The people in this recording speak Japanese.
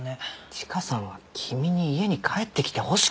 チカさんは君に家に帰ってきてほしかったんだよ。